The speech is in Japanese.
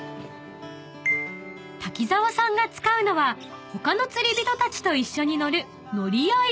［滝沢さんが使うのは他の釣り人たちと一緒に乗る］